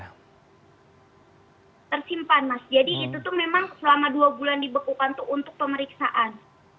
tersimpan mas jadi itu tuh memang selama dua bulan dibekukan tuh untuk pemeriksaan